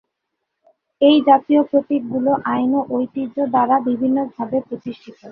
এই জাতীয় প্রতীকগুলি আইন ও ঐতিহ্য দ্বারা বিভিন্নভাবে প্রতিষ্ঠিত।